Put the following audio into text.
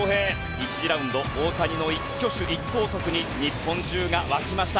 １次ラウンド大谷の一挙手一投足に日本中が沸きました。